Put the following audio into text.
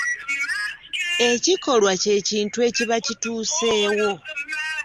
Ekikolwa kye kintu ekiba kituuseewo.